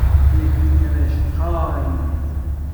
لیختن اشتاین